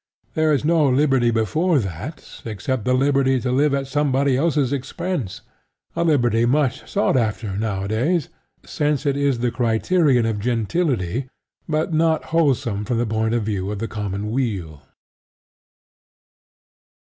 There is no liberty before that except the liberty to live at somebody else's expense, a liberty much sought after nowadays, since it is the criterion of gentility, but not wholesome from the point of view of the common weal.